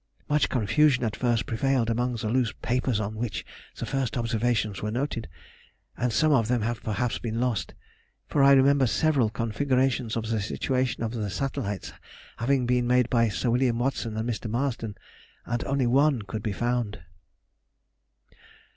Much confusion at first prevailed among the loose papers on which the first observations were noted, and some of them have perhaps been lost; for I remember several configurations of the situation of the satellites having been made by Sir William Watson and Mr. Marsden, and only one could be found....